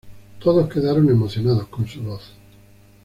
Todos quedaron emocionados con su voz.